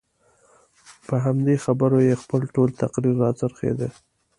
په همدې خبرو یې خپل ټول تقریر راڅرخېده.